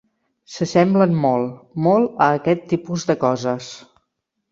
S'assemblen molt, molt a aquest tipus de coses.